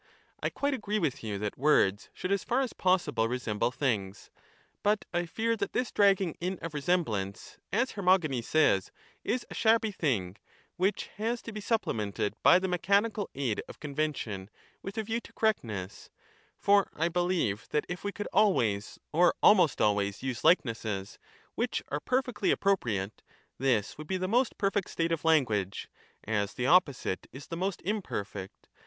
I quite agree with you that words should as far as possible resemble things ; but I fear that this dragging in of resemblance, as Hermogenes says ', is a shabby thing, which has to be supplemented by the mechanical aid of convention with a view to correctness ; for I beheve that if we could always, or almost always, use likenesses, which are ' Vic/e supra, 414 C. Cratylus harps upon the old string. 383 perfectly appropriate, this would be the most perfect state Cratyius. of language ; as the opposite is the most imperfect.